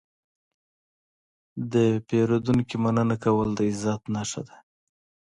د پیرودونکي مننه کول د عزت نښه ده.